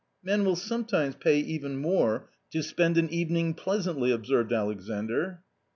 " Men will sometimes pay even more to spend an evening pleasantly," observed Alexandr.